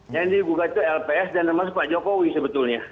yang digugat itu lps dan termasuk pak jokowi sebetulnya